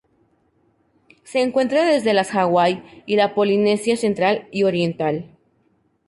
Se encuentra desde las Hawaii y la Polinesia central y oriental.